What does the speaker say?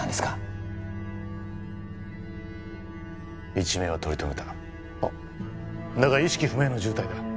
一命は取り留めたあっだが意識不明の重体だ